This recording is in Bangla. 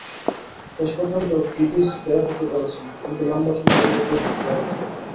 শেষ পর্যন্ত ভিদিচ বের হতে পেরেছেন, কিন্তু লম্বা সময় অবরুদ্ধ থাকতে হয়েছে।